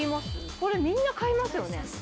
これみんな買いますよね。